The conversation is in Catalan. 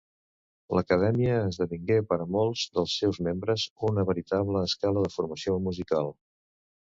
L’Acadèmia esdevingué, per a molts dels seus membres, una veritable escola de formació musical.